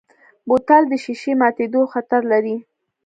بوتل د ښیښې ماتیدو خطر لري.